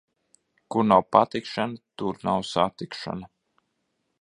Kur nav patikšana, tur nav satikšana.